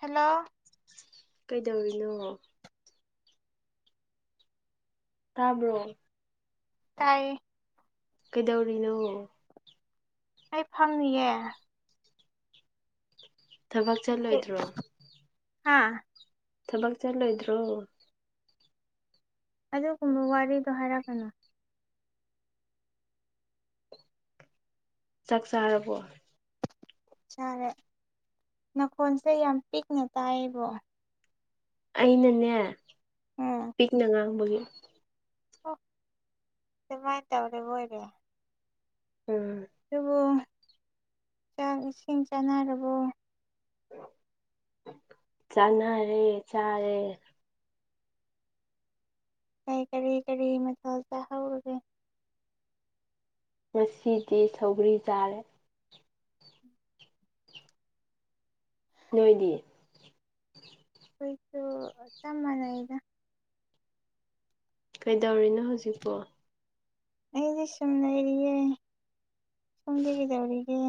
hello ꯀꯩꯗꯧꯔꯤꯅꯣ ꯇꯥꯕ꯭ꯔꯣ ꯇꯥꯏꯌꯦ ꯀꯩꯗꯧꯔꯤꯅꯣ ꯍꯥꯏꯐꯝꯝꯌꯦ ꯊꯕꯛ ꯆꯠꯂꯣꯏꯗ꯭ꯔꯣ ꯍꯥꯥ ꯊꯕꯛ ꯆꯠꯂꯣꯏꯗ꯭ꯔꯣ ꯑꯗꯨꯒꯨꯝꯕ ꯋꯥꯔꯤꯗꯣ ꯍꯥꯏꯔꯛꯄꯅꯨ ꯆꯥꯛ ꯆꯥꯔꯕꯣ ꯆꯔꯦ ꯅꯈꯣꯟꯜꯁꯦ ꯌꯥꯝ ꯄꯤꯛꯅ ꯇꯥꯏꯕꯣ ꯑꯩꯅꯅꯦ ꯄꯤꯛꯅ ꯉꯥꯡꯕꯒꯤ ꯑꯣꯃꯥꯏ ꯇꯔꯦ ꯑꯣꯏꯣꯔ ꯎꯝ ꯑꯗꯨꯕꯨ ꯆꯥꯛ ꯏꯁꯤꯡ ꯆꯥꯅꯔꯕꯔꯕꯣ ꯆꯅꯥꯔꯦ ꯆꯥꯔꯦ ꯑꯩ ꯀꯔꯤ ꯀꯔꯤ ꯃꯊꯥ ꯆꯥꯍꯧꯔꯒꯦ ꯉꯁꯤꯗꯤ ꯁꯧꯒ꯭ꯔꯤ ꯆꯥꯔꯦ ꯅꯣꯏꯗꯤ ꯑꯩꯈꯣꯏꯁꯨ ꯆꯞ ꯃꯥꯟꯅꯏꯗ ꯀꯩꯗꯧꯔꯤꯅꯣ ꯍꯧꯖꯤꯛꯄꯣ ꯑꯩꯗꯤ ꯁꯟ ꯂꯩꯔꯤꯌꯦ ꯁꯨꯝꯂꯤꯒꯤ ꯇꯧꯔꯤꯒ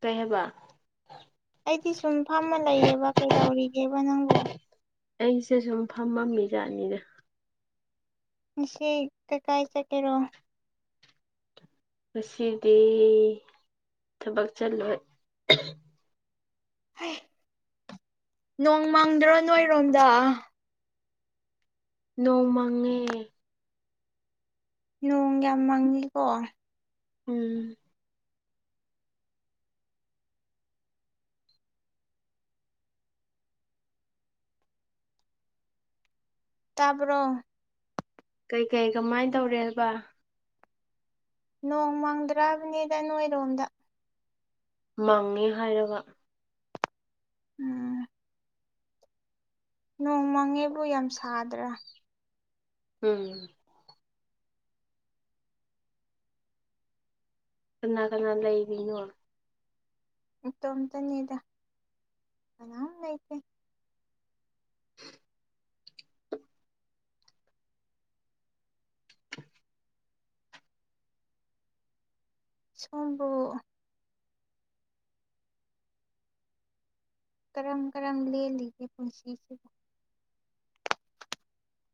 ꯀꯩꯍꯕ ꯑꯩꯗꯤ ꯁꯨꯝ ꯐꯝꯃ ꯂꯩꯌꯦꯕ ꯀꯩꯗꯧꯔꯤꯒꯦꯕ ꯅꯪꯕꯨ ꯑꯩꯁꯦ ꯁꯨꯝ ꯐꯝꯃꯝꯃꯤꯖꯥꯠꯅꯤꯅꯦ ꯁ ꯀ ꯀꯥꯏ ꯆ ꯀꯦꯔꯣ ꯉꯁꯤꯗꯤ ꯊꯕꯛ ꯆꯜꯂꯣꯏ ꯅꯣꯡ ꯃꯪꯗ꯭ꯔꯣ ꯅꯣꯏꯔꯣꯝꯗ ꯅꯣꯡꯃꯉꯦ ꯅꯣꯡ ꯌꯥꯝ ꯃꯪꯉꯤꯀꯣ ꯎꯝ ꯇꯔꯕ꯭ꯔꯣ ꯀꯩꯀꯩ ꯀꯃꯥꯏꯅ ꯇꯧꯔꯦꯕ ꯅꯣꯡ ꯃꯪꯗ꯭ꯔꯕꯅꯤꯗ ꯅꯣꯏꯔꯣꯝꯗ ꯃꯪꯉꯦ ꯍꯥꯏꯔꯕ ꯎꯝ ꯅꯣꯡ ꯃꯪꯉꯦꯕꯨ ꯌꯥꯝ ꯁꯥꯗ꯭ꯔꯥ ꯎꯝ ꯀꯅꯥ ꯀꯅꯥ ꯂꯩꯕꯤꯅꯣ ꯇꯣꯝꯇꯅꯤꯗ ꯑꯅꯥ ꯂꯩꯇꯦ [unintelligible] ꯆꯣꯡꯕ ꯀꯔꯝ ꯀꯔꯝ ꯂꯦꯜꯂꯤꯒꯦ ꯄꯨꯟꯁꯤꯁꯤꯕꯨ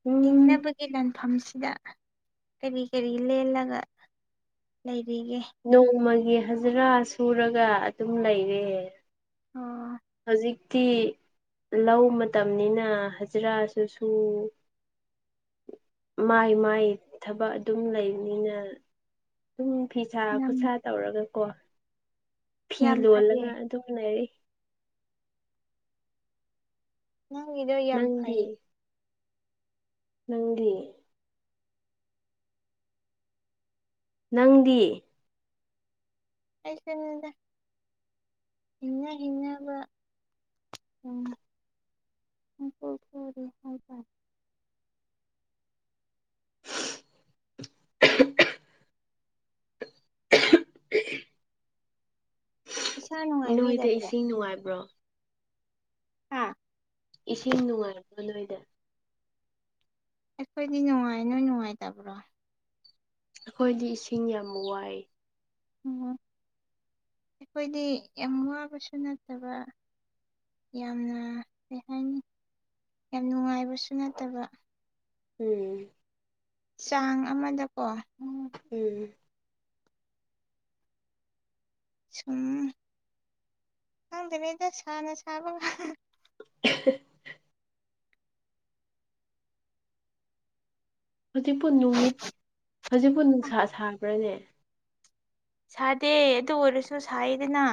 ꯎꯝ ꯍꯤꯡꯅꯕꯒꯤ ꯂꯥꯟꯐꯝꯁꯤꯗ ꯀꯔꯤ ꯀꯔꯤ ꯂꯩꯂꯒ ꯂꯩ ꯅꯣꯡꯃꯒꯤ ꯍꯖꯔꯥ ꯁꯨꯔꯒ ꯑꯗꯨꯝ ꯂꯩꯔꯦ ꯑꯣ ꯍꯧꯖꯤꯛ ꯇꯤ ꯂꯧ ꯃꯇꯝꯅꯤꯅ ꯍꯖꯤꯔꯥꯁꯨ ꯁꯨ ꯃꯥꯏ ꯃꯥꯏ ꯊꯕꯛ ꯑꯗꯨꯝ ꯂꯩꯕꯅꯤꯅ ꯑꯗꯨꯝ ꯐꯤꯁꯥ ꯌꯥꯝ ꯈꯨꯠꯁꯥ ꯇꯧꯔꯒꯀꯣ ꯐꯤ ꯌꯥꯝ ꯐꯩꯌꯦ ꯂꯣꯜꯂꯒ ꯑꯗꯨꯝ ꯂꯩꯔꯤ ꯅꯪꯒꯤꯗꯣ ꯌꯥꯝ ꯅꯪꯗꯤ ꯐꯩꯌꯦ ꯅꯪꯗꯤ ꯅꯪꯗꯤ ꯑꯩꯁꯨꯗ ꯏꯉ ꯀꯉꯕ ꯎ ꯦꯍꯥꯏꯗ [unintelligible] [unintelligible] ꯏꯁꯥ ꯅꯣꯏꯗꯤ ꯅꯨꯡꯉꯥꯏꯕꯤꯗꯕ꯭ꯔꯣ ꯏꯁꯤꯡ ꯅꯨꯡꯉꯥꯏꯕ꯭ꯔꯣ ꯑꯥ ꯏꯁꯤꯡ ꯅꯨꯡꯉꯥꯏꯔꯛꯒ ꯅꯣꯏꯗ ꯑꯩꯈꯣꯏꯗꯤ ꯅꯨꯡꯉꯥꯏꯅꯣꯏ ꯅꯨꯡꯉꯥꯏꯇꯕ꯭ꯔꯣ ꯑꯩꯈꯣꯏꯗꯤ ꯏꯁꯤꯡ ꯌꯥꯝ ꯋꯥꯏ ꯎ ꯑꯩꯈꯣꯏꯗꯤ ꯌꯥꯝ ꯋꯥꯕꯁꯨ ꯅꯠꯇꯕ ꯌꯥꯝꯅ ꯀꯩ ꯍꯥꯏꯅꯤ ꯌꯥꯝ ꯅꯨꯡꯉꯥꯏꯕꯁꯨ ꯅꯠꯇꯕ ꯎꯝ ꯆꯥꯡ ꯑꯃꯗꯀꯣ ꯎꯝ ꯁꯨꯝꯗꯗ ꯁꯅ ꯆꯕ [unintelligible] ꯍꯧꯖꯤꯛꯄꯨ ꯅꯨꯃꯤꯠ ꯍꯧꯖꯤꯛꯄꯨ ꯅꯨꯡꯁꯥ ꯁꯥꯕ꯭ꯔꯥꯅꯦ ꯁꯥꯗꯦ ꯑꯗꯨ ꯑꯣꯏꯔꯁꯨ ꯁꯥꯏꯗꯅ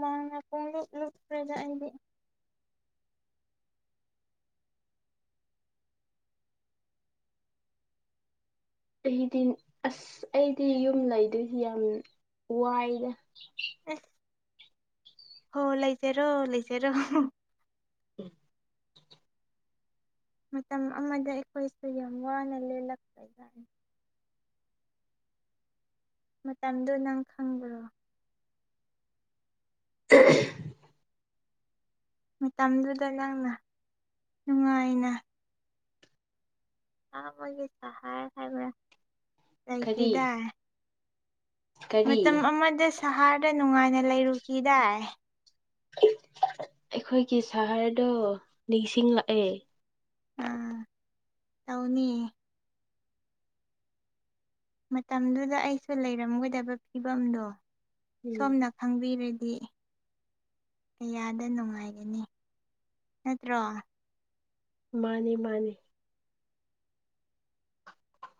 ꯃꯥꯡꯅ ꯄꯨꯡꯂꯨꯞ ꯂꯨꯞꯨꯞ ꯔꯖꯥꯛ ꯏꯕꯤ ꯑꯩꯗꯤ ꯑꯁ ꯑꯩꯗꯤ ꯌꯨꯝ ꯂꯩꯗꯣꯏꯁꯤ ꯌꯥꯝ ꯋꯥꯏꯔꯦ [inaudible] [inaudible] ꯍꯣ ꯂꯩꯖꯔꯣ ꯂꯩꯖꯔꯣ ꯎꯝ ꯃꯇꯝ ꯑꯃꯗ ꯑꯩꯈꯣꯏꯁꯨ ꯌꯥꯝ ꯋꯥꯅ ꯂꯦꯜꯂꯛꯄ ꯌꯥꯏ ꯃꯇꯝꯗꯨ ꯅꯪ ꯈꯪꯕ꯭ꯔꯣ [inaudible] ꯃꯇꯝꯗꯨꯗ ꯅꯪꯅ ꯅꯨꯡꯉꯥꯏꯅ ꯑ ꯃꯣꯏꯒꯤ ꯆꯍꯥꯏ ꯈꯥꯏꯕ ꯀꯔꯤ ꯆꯁꯤꯗ ꯀꯔꯤ ꯃꯇꯝ ꯑꯃꯗ ꯁꯍꯔꯗ ꯅꯨꯡꯉꯥꯏꯅ ꯂꯩꯔꯨꯈꯤꯗꯥꯏ ꯑꯩꯈꯣꯏꯒꯤ ꯁꯍꯔꯗꯣ ꯅꯤꯡꯁꯤꯡꯂꯛꯑꯦ ꯑꯝ ꯇꯧꯅꯤ ꯃꯇꯝꯗꯨꯗ ꯑꯩꯁꯨ ꯂꯩꯔꯝꯒꯗꯕ ꯐꯤꯕꯝꯗꯣ ꯎꯝ ꯁꯣꯝꯅ ꯈꯪꯕꯤꯔ ꯗꯤ ꯀꯌꯥꯗ ꯅꯨꯡꯉꯥꯏꯒꯅꯤ ꯅꯠꯇ꯭ꯔꯣ ꯃꯥꯅꯤ ꯃꯥꯅꯤ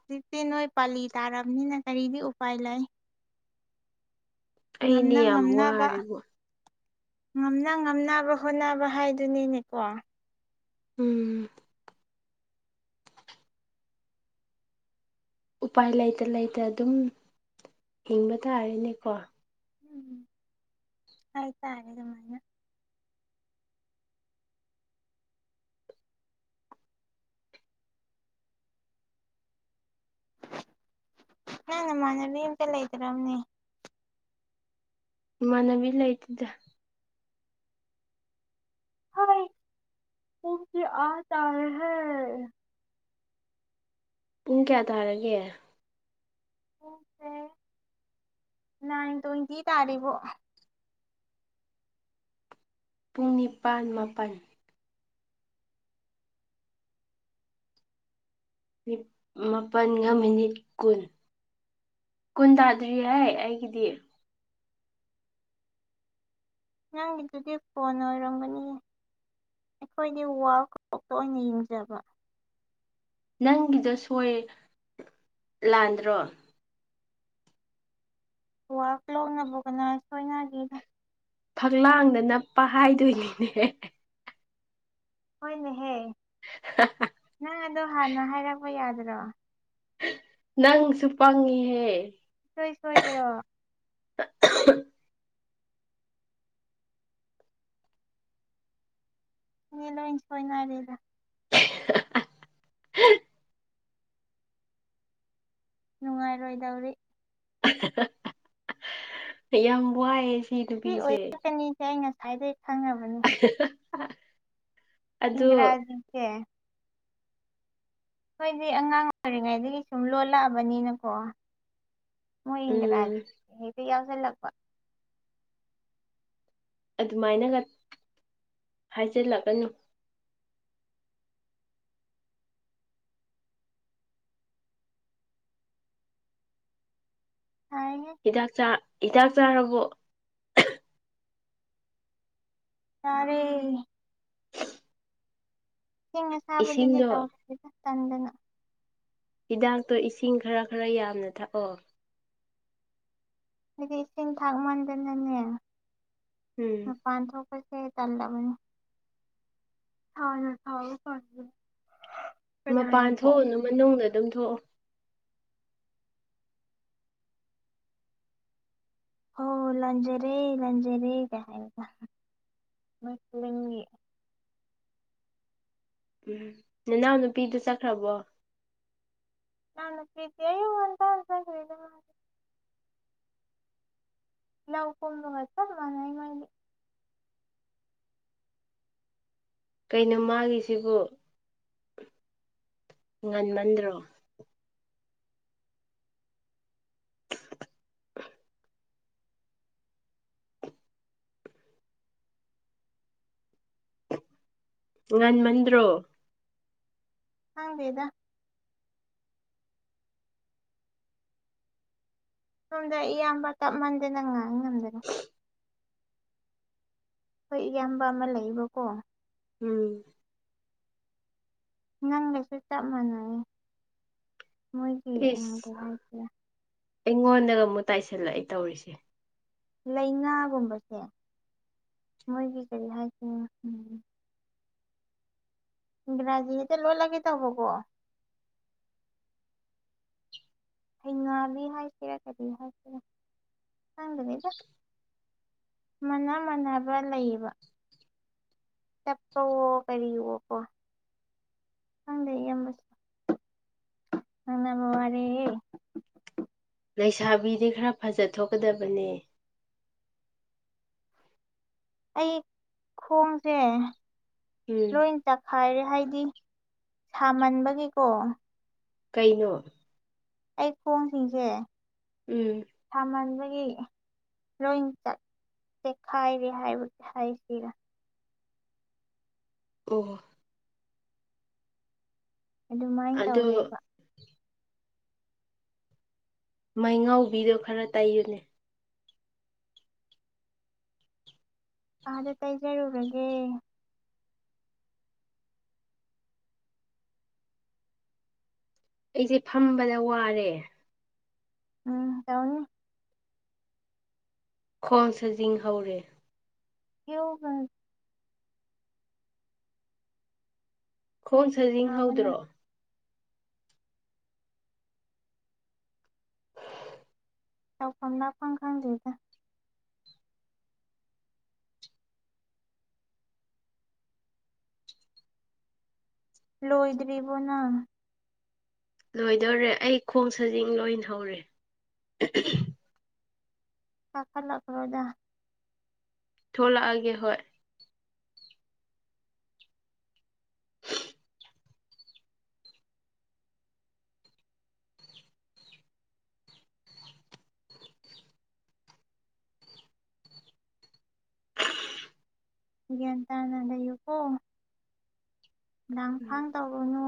ꯍꯧꯖꯤꯛꯇꯤ ꯅꯣꯏ ꯄꯥꯜꯂꯤ ꯇꯥꯔꯕꯅꯤꯅ ꯀꯔꯤꯗꯤ ꯎꯄꯥꯏ ꯂꯩ ꯑꯩꯅꯦ ꯉꯝꯅ ꯌꯥꯝ ꯉꯝꯅꯕ ꯋꯥꯔꯦꯕꯣ ꯉꯝꯅ ꯉꯝꯅꯕ ꯍꯣꯠꯅꯕ ꯍꯥꯏꯗꯨꯅꯤꯅꯦꯀꯣ ꯎꯝ ꯎꯄꯥꯏ ꯂꯩꯇ ꯂꯩꯇ ꯑꯗꯨꯝ ꯍꯤꯡꯕ ꯇꯥꯔꯦꯅꯦꯀꯣ ꯎꯝ ꯍꯥꯏ ꯇꯔꯦ ꯑꯗꯨꯃꯥꯏꯅ ꯅ ꯅ ꯃꯥꯅꯕꯤ ꯑꯝꯇ ꯂꯩꯇ꯭ꯔꯕꯅꯦ ꯏꯃꯥꯟꯅꯕꯤ ꯂꯩꯇꯗ ꯍ ꯇꯖꯤ ꯑ ꯇꯔ ꯍ ꯄꯨꯡ ꯀꯌꯥ ꯇꯥꯔꯒꯦ ꯁꯦ ꯅꯥꯏꯟ ꯇ꯭ꯋꯦꯟꯇꯤ ꯇꯥꯔꯤꯔꯤꯕꯣ ꯄꯨꯡ ꯅꯤꯄꯥꯜ ꯃꯥꯄꯜ ꯃꯥꯄꯜꯒ ꯃꯤꯅꯤꯠ ꯀꯨꯟ ꯀꯨꯟ ꯇꯥꯗ꯭ꯔꯤ ꯍꯥꯏ ꯑꯩꯒꯤꯗꯤ ꯅꯪꯒꯤꯗꯨꯗꯤ ꯐꯣꯟ ꯑꯣꯏꯔꯝꯒꯅꯤ ꯑꯩꯈꯣꯏꯗꯤ ꯋꯥꯔꯜ ꯀꯣꯛꯇ ꯑꯣꯏꯅ ꯌꯦꯡꯖꯕ ꯅꯪꯒꯤꯗ ꯁꯣꯏ ꯂꯥꯟꯗ꯭ꯔꯣ ꯋ ꯂꯣꯛꯅꯕ ꯀꯅꯥ ꯁꯣꯏꯅꯒꯤꯦꯗ ꯐꯛꯂꯥꯡꯗ ꯅꯞꯄ ꯍꯥꯏꯗꯣꯏꯅꯤꯅꯦ ꯍꯣꯏꯅꯦꯍꯦ [inaudible] ꯅꯪ ꯑꯗꯣ ꯍꯥꯟꯅ ꯍꯥꯏꯔꯛꯄ ꯌꯥꯗ꯭ꯔꯣ ꯅꯪ ꯆꯄꯥꯉꯍꯦ ꯁꯨꯡꯁꯣꯏ ꯁꯣꯏꯗ꯭ꯔꯣ [inaudible] ꯌꯦ ꯂꯣꯏ ꯁꯣꯏꯅꯔꯗ ꯅꯨꯡꯉꯥꯏꯔꯣꯏꯗꯧꯔꯤ [inaudible] ꯌꯥꯝ ꯋꯥꯏꯌꯦ ꯁꯤ ꯑꯣꯏꯔꯛꯀꯅꯤꯁꯦ ꯑꯩ ꯉꯁꯥꯏꯗꯩ ꯈꯪꯉꯕꯅꯤ ꯑꯗꯣ ꯏꯪꯂꯔꯥꯖꯤꯁ ꯈꯣꯏꯗꯤ ꯑꯉꯥꯡ ꯑꯣꯏꯔꯤꯉꯩꯗꯒꯤ ꯁꯨꯝ ꯂꯣꯜꯂꯛꯑꯕꯅꯤꯅꯀꯣ ꯃꯣꯏ ꯎꯝ ꯏꯪ꯭ꯔꯥꯖ ꯍꯗꯤ ꯌꯥꯎꯁꯦ ꯂꯄ ꯑꯗꯨꯃꯥꯏꯅꯒ ꯍꯥꯏꯖꯤꯜꯂꯛꯀꯅꯨ ꯁꯥꯏꯍꯦ ꯍꯤꯗꯥꯛ ꯆꯥ ꯍꯤꯗꯥꯛ ꯆꯥꯔꯕꯣ ꯇꯔꯦ ꯏꯁꯤꯡ ꯑꯁꯥꯕꯗꯨꯗꯤ ꯏꯁꯤꯡꯗꯣ ꯇꯧꯗ꯭ꯔꯦ ꯇꯟꯗꯅ ꯍꯤꯗꯥꯛꯇꯣ ꯏꯁꯤꯡ ꯈꯔ ꯈꯔ ꯌꯥꯝꯅ ꯊꯛꯑꯣ ꯍꯥꯏꯗꯤ ꯏꯁꯤꯡ ꯊꯥꯛ ꯃꯟꯗꯅꯅꯦ ꯎꯝ ꯃꯄꯥꯟ ꯊꯣꯛꯄ ꯇꯂꯕꯅꯤ ꯍ ꯍ ꯈꯑꯣ ꯐ ꯃꯄꯥꯟ ꯊꯣꯛꯎꯅꯨ ꯃꯅꯨꯡꯗ ꯑꯗꯨꯝ ꯊꯣꯛꯑꯣ ꯍ ꯂꯟꯖ ꯔꯦ ꯂꯟꯖꯔꯦ ꯀ ꯃꯁꯂꯤꯦꯟꯒꯤ ꯎꯝ ꯅꯅꯥꯎ ꯅꯨꯄꯤꯗꯨ ꯆꯠꯈ꯭ꯔꯕꯣ ꯅꯥꯟ ꯄ꯭ꯔꯤꯗ ꯌꯨ ꯑꯇ ꯑꯟ ꯈꯔꯤꯗ ꯃꯥꯦ [unintelligible] ꯂꯎ ꯀꯕꯠꯇ ꯃꯅꯥꯥꯏ ꯃꯗꯤ ꯀꯩꯅꯣ ꯃꯥꯒꯤꯁꯤꯕꯨ ꯉꯟꯃꯟꯗ꯭ꯔꯣ ꯉꯟ ꯃꯟ꯭ꯔꯣ ꯍꯥꯡꯋꯦꯗꯥ ꯁꯣꯝꯗ ꯏꯌꯥꯝꯕ ꯇꯞꯃꯟꯗꯦꯅꯪ ꯉꯥꯏ ꯉꯝꯗꯅ ꯍꯣꯏ ꯏꯌꯥꯝꯕ ꯑꯃ ꯂꯩꯌꯦꯕꯀꯣ ꯎꯝ ꯅꯪ ꯂꯁꯨ ꯆꯞ ꯃꯅꯦ ꯃꯣꯏꯒꯤ ꯏꯁ ꯂꯩꯚꯥꯏ ꯄ ꯑꯩꯉꯣꯟꯗꯒ ꯑꯃꯨꯛ ꯇꯥꯏꯁꯜꯂꯛꯏ ꯇꯧꯔꯤꯁꯦ ꯂꯩꯅꯥꯒꯨꯝꯕꯁꯦ ꯃꯣꯏꯒꯤ ꯀꯔꯤ ꯍꯥꯏꯁꯤꯅꯣ ꯎꯝ ꯏꯔꯥꯖꯤꯗꯤ ꯂꯣꯏ ꯂꯒꯦ ꯇꯕ ꯀꯣ ꯍꯩ ꯉꯥꯂꯤ ꯍꯥꯏꯁꯤꯔꯥ ꯀꯔꯤ ꯍꯥꯏꯁꯤꯔ ꯈꯪꯗꯅꯤꯗ ꯃꯅ ꯃꯥꯟꯅꯕ ꯂꯩꯌꯦꯕ ꯆꯠꯄꯋꯣ ꯀꯔꯤꯋꯣꯀꯣ ꯈꯪꯗꯦ ꯏꯝꯕꯁꯨ ꯑꯅ ꯃ ꯃꯔꯦ ꯂꯩꯁꯥꯕꯤꯗꯤ ꯈꯔ ꯐꯖꯊꯣꯛꯀꯗꯕꯅꯦ ꯑꯩ ꯈꯣꯡꯁꯦ ꯎꯝ ꯂꯣꯏ ꯇꯛꯈꯥꯏꯔꯦ ꯍꯥꯏ ꯁꯥꯃꯟꯕꯒꯤꯀꯣ ꯀꯩꯅꯣ ꯑꯩ ꯈꯣꯡꯁꯤꯡꯁꯦ ꯎꯝ ꯁꯥꯃꯟꯕ ꯑꯩ ꯂꯣꯏ ꯆꯠ ꯆꯦꯈꯥꯏꯔꯦ ꯍꯥꯏꯕꯒꯤ ꯍꯥꯏꯁꯤꯔꯥ ꯑꯣꯍ ꯑꯗꯨꯃꯥꯏꯅ ꯑꯗꯣ ꯇꯧꯔꯦꯕ ꯃꯩꯉꯥꯎꯤꯗꯣ ꯈꯔ ꯇꯩꯌꯨꯅꯦ ꯑꯥꯗ ꯇꯩꯖꯔꯨꯔꯒꯦ ꯑꯩꯁꯦ ꯐꯝꯕꯗ ꯋꯥꯔꯦ ꯎꯝ ꯇꯎꯅꯤ ꯈꯣꯡ ꯁꯥꯖꯤꯡ ꯍꯧꯔꯦ ꯀꯧ ꯍ ꯈꯣꯡ ꯁꯥꯖꯤꯡ ꯅꯥꯕꯅ ꯍꯧꯗ꯭ꯔꯣ ꯆꯥꯎꯐꯝ ꯅꯥꯄ ꯈꯪꯗꯦꯗ ꯂꯣꯏꯣꯏꯗ꯭ꯕꯤꯔꯤꯕꯣꯅ ꯂꯣꯏꯗꯧꯔꯦ ꯑꯩ ꯈꯣꯡ ꯁꯥꯖꯤꯡ ꯂꯣꯏꯍꯧꯔꯦ ꯆꯀꯜꯂꯈ꯭ꯔꯣꯗ ꯊꯣꯛꯣꯂꯛꯑꯒꯦ ꯍꯣꯏ ꯒ꯭ꯌꯥꯟ ꯇꯥꯅ ꯂꯩꯌꯨꯀꯣ ꯉꯥꯡ ꯎꯝ ꯐꯥꯡ ꯇꯧꯔꯨꯅꯨ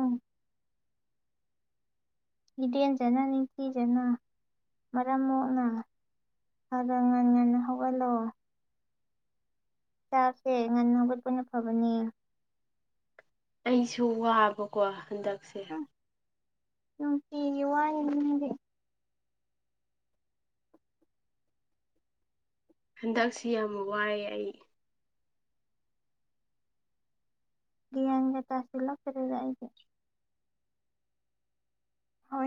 ꯍꯤꯗꯦꯟꯖꯅ ꯅꯤꯡꯊꯤꯖꯅ ꯃꯔꯝ ꯃꯣꯛꯅ ꯑꯗꯣ ꯉꯟ ꯉꯟꯅ ꯍꯧꯍꯜꯂꯣ ꯆꯥꯛꯁꯦ ꯉꯟꯅꯥꯡꯈꯣꯏꯠ ꯄꯨꯟꯅ ꯐꯕꯅꯦ ꯑꯩꯁꯨ ꯋꯥꯕꯀꯣ ꯍꯟꯗꯛꯁꯦ ꯅꯨꯅꯨꯡꯇꯤ ꯌꯨ ꯋꯥ ꯏꯗꯤ ꯍꯟꯗꯛꯁꯤ ꯌꯥꯝ ꯋꯥꯑꯦ ꯑꯩ ꯭ꯌꯥꯟꯒ ꯆꯁꯤꯂꯣ ꯐꯦꯔꯦꯖꯒ ꯍ